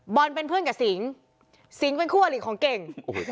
เป็นเพื่อนกับสิงสิงเป็นคู่อลิของเก่ง